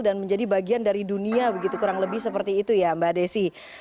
dan menjadi bagian dari dunia begitu kurang lebih seperti itu ya mbak desi